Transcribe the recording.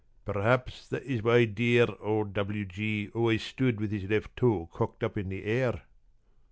p> "Perhaps that is why dear old W. G. always stood with his left toe cocked up in the air."